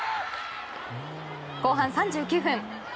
後半３９分。